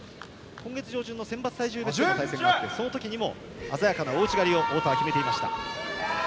今月上旬の選抜体重別でも対戦がありその時にも鮮やかな大内刈りを太田は決めていました。